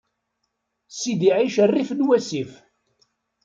Sidi Ɛic rrif n wassif.